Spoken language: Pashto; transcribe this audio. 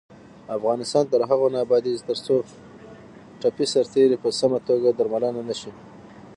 افغانستان تر هغو نه ابادیږي، ترڅو ټپي سرتیري په سمه توګه درملنه نشي.